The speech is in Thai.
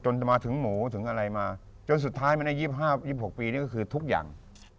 จะมาถึงหมูถึงอะไรมาจนสุดท้ายมันได้๒๕๒๖ปีนี่ก็คือทุกอย่าง